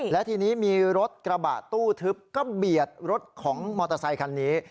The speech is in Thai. และทีนี้มีรถกระบะตู้ทึบก็เบียดรถของมอเตอร์ไซคันนี้